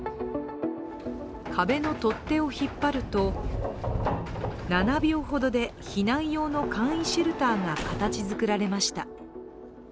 壁の取っ手を引っ張ると７秒ほどで避難用の簡易シェルターが形づくられました。